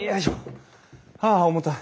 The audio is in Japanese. はあ重たい。